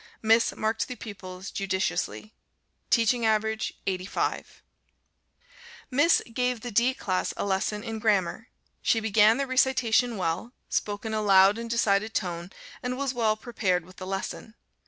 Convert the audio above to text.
Miss marked the pupils judiciously. Teaching average 85. Miss gave the D class a lesson in Grammar. She began the recitation well, spoke in a loud and decided tone, and was well prepared with the lesson.